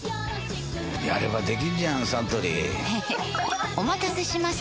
やればできんじゃんサントリーへへっお待たせしました！